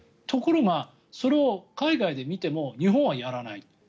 ところが、それを海外で見ても日本はやらない。